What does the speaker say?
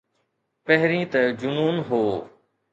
پهرين ته جنون هو.